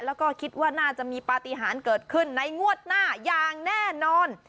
แล้วก็คิดว่าน่าจะมีปฏิหารเกิดขึ้นในงวดหน้าอย่างแน่นอน